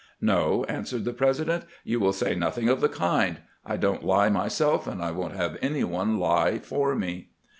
"No," answered the Presi dent; "you wiU say nothing of the kind. I don't lie myseK, and I won't have any one lie for me."